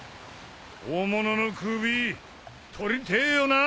大物の首取りてえよな